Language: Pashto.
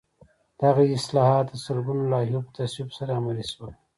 دغه اصلاحات د سلګونو لایحو په تصویب سره عملي شول.